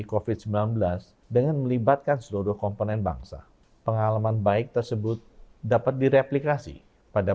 covid sembilan belas dengan melibatkan seluruh komponen bangsa pengalaman baik tersebut dapat direplikasi pada